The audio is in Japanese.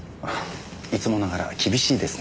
いつもながら厳しいですね。